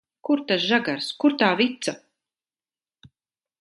Kur tas žagars, kur tā vica?